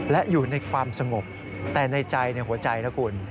และอยู่ในความสงบแต่ในใจในหัวใจนะคุณ